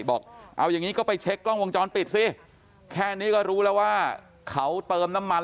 บอกเอาอย่างนี้ก็ไปเช็คกล้องวงจรปิดสิแค่นี้ก็รู้แล้วว่าเขาเติมน้ำมัน